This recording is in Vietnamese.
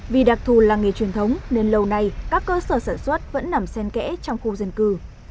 vì đặc thù làng nghề truyền thống nên lâu nay các cơ sở sản xuất vẫn nằm sen kẽ trong khu dân cư